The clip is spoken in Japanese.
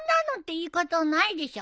言い方はないでしょ！